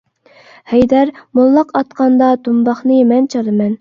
ھەيدەر موللاق ئاتقاندا دۇمباقنى مەن چالىمەن.